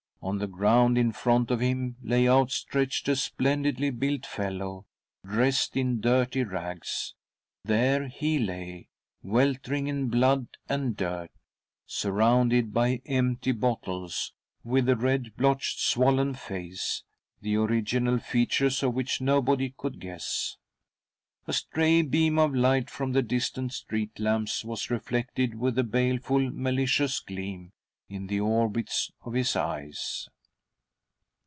On the ground in front of him lay outstretched a splendidly built fellow, dressed in dirty rags. There he lay, weltering in blood and dirt', surrounded by empty bottles, with a red blotched, swollen face, the original features of which nobody could guess. A stray beam of light from the distant *■■■'•:/■..'. THE DEATH CART 63 street lamps was reflected, with a baleful, malicious gleam; in the orbits of his eyes.